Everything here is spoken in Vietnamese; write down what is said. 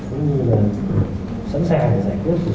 cũng như là sẵn sàng giải quyết trụ tục